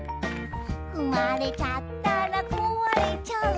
「ふまれちゃったらこわれちゃう」